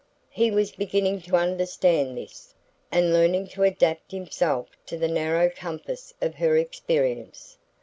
He was beginning to understand this, and learning to adapt himself to the narrow compass of her experience.